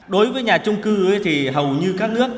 đối với nhà trung cư thì hầu như các nước